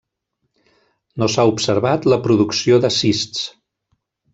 No s'ha observat la producció de cists.